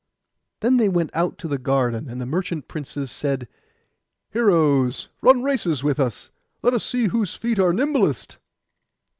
Then they went out to the garden; and the merchant princes said, 'Heroes, run races with us. Let us see whose feet are nimblest.